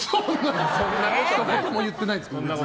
そんなことは言ってないですけど。